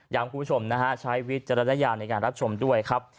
คุณผู้ชมนะฮะใช้วิจารณญาณในการรับชมด้วยครับ